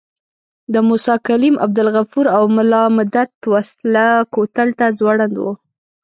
د موسی کلیم، عبدالغفور او ملا مدت وسله کوتل ته ځوړند وو.